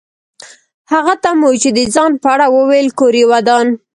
هغه ته مو چې د ځان په اړه وویل کور یې ودان.